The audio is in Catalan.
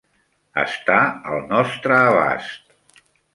Està al nostre abast.